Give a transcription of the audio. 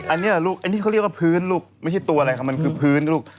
อันนี้เหรอลูกอันนี้เขาเรียกว่าพื้นลูกไม่ใช่ตัวอะไรค่ะมันคือพื้นลูก